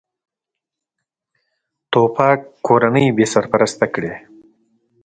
توپک کورنۍ بېسرپرسته کړي.